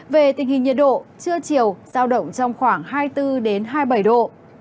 về tình hình nhiệt độ trưa chiều giao động trong khoảng hai mươi bốn hai mươi bảy độ